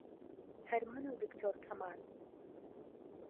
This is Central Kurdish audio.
هەر من و دکتۆر کەمال